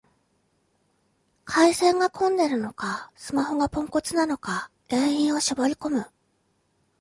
回線が混んでるのか、スマホがポンコツなのか原因を絞りこむ